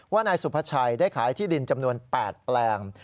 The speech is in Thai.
นายสุภาชัยได้ขายที่ดินจำนวน๘แปลง